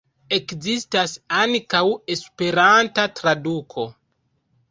Ekzistas ankaŭ Esperanta traduko.